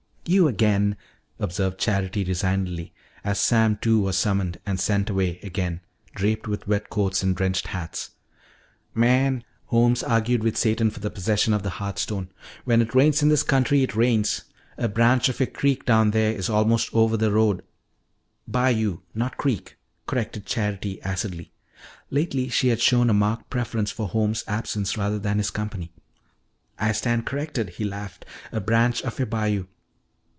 "You, again," observed Charity resignedly as Sam Two was summoned and sent away again draped with wet coats and drenched hats. "Man" Holmes argued with Satan for the possession of the hearth stone "when it rains in this country, it rains. A branch of your creek down there is almost over the road " "Bayou, not creek," corrected Charity acidly. Lately she had shown a marked preference for Holmes' absence rather than his company. "I stand corrected," he laughed; "a branch of your bayou."